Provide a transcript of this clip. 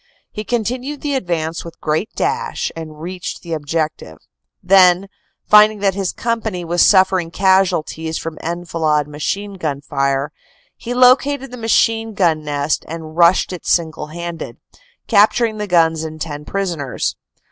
He continued the advance with great dash and reached the objec tive. Then, finding that his company was suffering casualties from enfilade machine gun fire, he located the machine gun nest and rushed it single handed, capturing the guns and 10 prisoners.